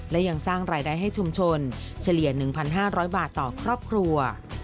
และยังสร้างรายได้ให้ชุมชนเฉลี่ย๑๕๐๐บาทต่อครอบครัว